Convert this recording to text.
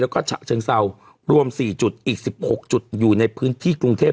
แล้วก็ฉะเชิงเศร้ารวม๔จุดอีก๑๖จุดอยู่ในพื้นที่กรุงเทพ